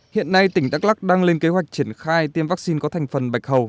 hiện nay tỉnh đắk lắc đang lên kế hoạch triển khai tiêm vaccine có thành phần bạch hầu